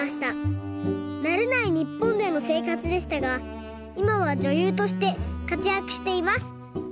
なれないにっぽんでのせいかつでしたがいまはじょゆうとしてかつやくしています。